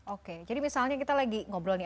oke jadi misalnya kita lagi ngobrol nih